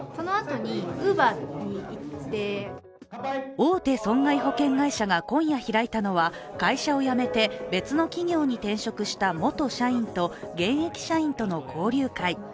大手損害保険会社が今夜開いたのは会社を辞めて、別の企業に転職した元社員と現役社員との交流会。